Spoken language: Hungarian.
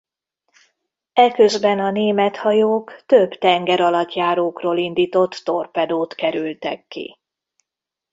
Eközben a német hajók több tengeralattjárókról indított torpedót kerültek ki.